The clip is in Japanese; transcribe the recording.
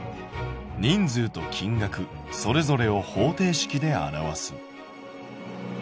「『人数と金額』それぞれを方程式で表す」。